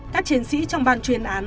các chiến sĩ trong bàn chuyên án